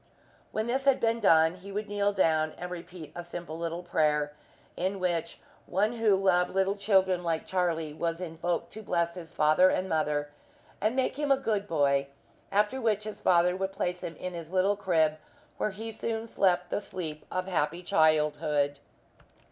When this had been done he would kneel down and repeat a simple little prayer, in which One who loved little children like Charlie was invoked to bless father and mother and make him a good boy; after which his father would place him in his little crib, where he soon slept the sleep of happy childhood.